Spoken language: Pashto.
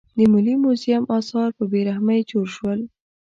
د ملي موزیم اثار په بې رحمۍ چور شول.